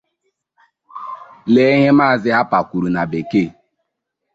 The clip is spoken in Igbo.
Lee ihe Mazị Harper kwuru na bekee: